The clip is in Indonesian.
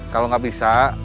kalau gak bisa